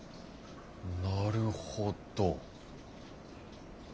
なるほど。